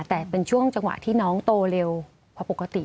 แต่เป็นช่วงจังหวะที่น้องโตเร็วพอปกติ